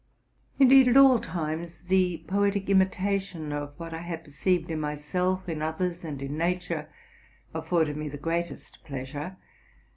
Indeed, at all times, the poetic imitation of what I had perceived in myself, in others, and in nature, afforded me the greatest pleasure.